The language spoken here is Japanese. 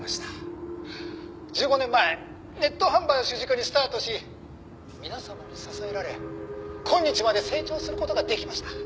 「１５年前ネット販売を主軸にスタートし皆様に支えられ今日まで成長する事ができました」